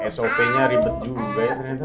sop nya ribet juga ya ternyata